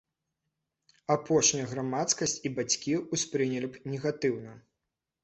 Апошняе грамадскасць і бацькі ўспрынялі б негатыўна.